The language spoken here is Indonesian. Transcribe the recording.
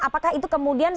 apakah itu kemudian